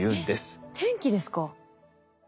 えっ天気ですか？